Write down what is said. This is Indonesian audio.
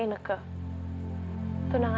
bukan berubah alaminya